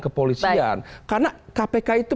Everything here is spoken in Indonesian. kepolisian karena kpk itu